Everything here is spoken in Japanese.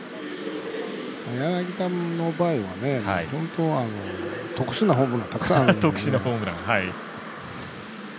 柳田の場合は本当、特殊なホームランたくさんあるんでね。